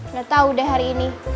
udah tau deh hari ini